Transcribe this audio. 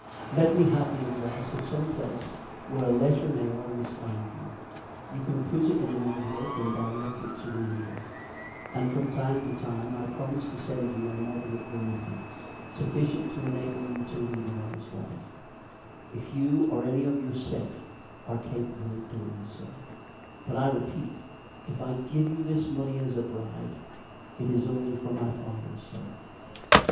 Let me have the address of some place where a letter may always find you you can put it into an envelope and direct it to me here and from time to time I promise to send you a moderate remittance, sufficient to enable you to lead an honest life, if you or any of your set are capable of doing so; but I repeat, if I give you this money as a bribe, it is only for my father's sake."